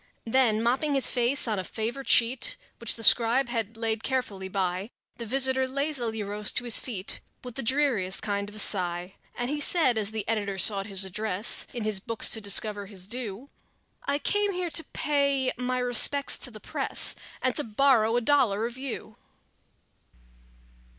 Then, mopping his face on a favorite sheet Which the scribe had laid carefully by, The visitor lazily rose to his feet With the dreariest kind of a sigh, And he said, as the editor sought his address, In his books to discover his due: "I came here to pay my respects to the press, And to borrow a dollar of you!"